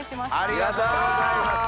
ありがとうございます。